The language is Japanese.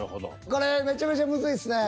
これめちゃめちゃむずいっすね